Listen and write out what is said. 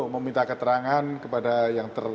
meminta keterangan kepada yang